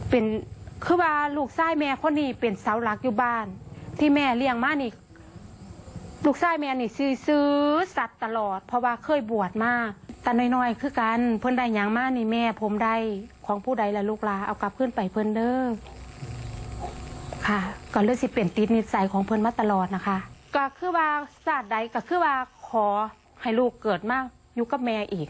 เป็นคือว่าลูกซ่ายแม่คนนี้เป็นเสาหลักอยู่บ้านที่แม่เลี้ยงมานี่ลูกซ่ายแม่นี่ซื้อสัตว์ตลอดเพราะว่าเคยบวชมาแต่น้อยน้อยคือกันเพื่อนได้อย่างมานี่แม่ผมได้ของผู้ใดและลูกลาเอากลับขึ้นไปเพื่อนเด้อค่ะก็รู้สึกเปลี่ยนติดนิสัยของเพื่อนมาตลอดนะคะก็คือว่าศาสตร์ใดก็คือว่าขอให้ลูกเกิดมาอยู่กับแม่อีก